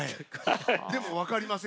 でも分かりませんよ。